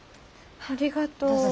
ありがとう。